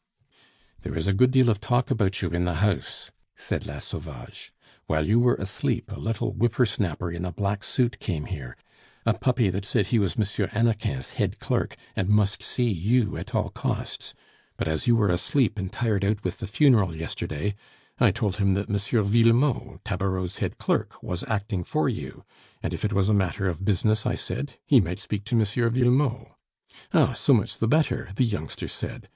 "There is a good deal of talk about you in the house," said La Sauvage. "While you were asleep, a little whipper snapper in a black suit came here, a puppy that said he was M. Hannequin's head clerk, and must see you at all costs; but as you were asleep and tired out with the funeral yesterday, I told him that M. Villemot, Tabareau's head clerk, was acting for you, and if it was a matter of business, I said, he might speak to M. Villemot. 'Ah, so much the better!' the youngster said.